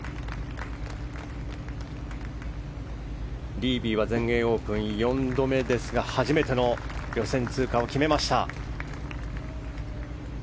リービーは全英オープン４度目ですが初めての予選通過を決めました。